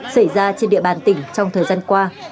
xảy ra trên địa bàn tỉnh trong thời gian qua